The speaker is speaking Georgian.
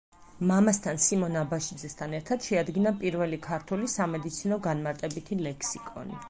მამასთან სიმონ აბაშიძესთან ერთად შეადგინა პირველი ქართული სამედიცინო განმარტებითი ლექსიკონი.